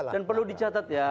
dan perlu dicatat ya